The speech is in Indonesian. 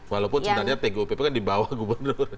walaupun sebenarnya tgup itu kan di bawah gubernur